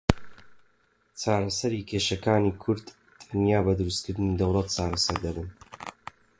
چارەسەری کێشەکانی کورد تەنیا بە دروستکردنی دەوڵەت چارەسەر دەبن.